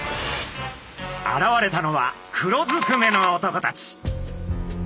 現れたのは黒ずくめの男たち。